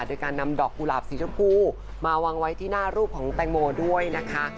โดยการนำดอกกุหลาบสีชมพูมาวางไว้ที่หน้ารูปของแตงโมด้วยนะคะ